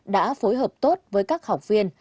đã phối hợp tốt với các học viên